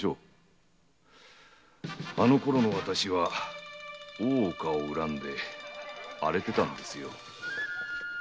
あのころの私は大岡を恨んで荒れてたんですよ。